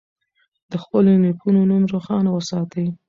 د خپلو نیکونو نوم روښانه وساتئ.